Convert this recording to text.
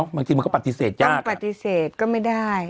บางทีมันก็ปฏิเสธยากมันปฏิเสธก็ไม่ได้